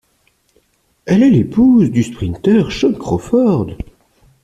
Elle est l'épouse du sprinteur Shawn Crawford.